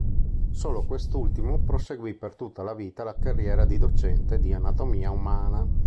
Solo quest'ultimo proseguì per tutta la vita la carriera di docente di anatomia umana.